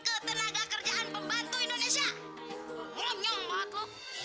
ketenaga kerjaan pembantu indonesia ngomong banget lo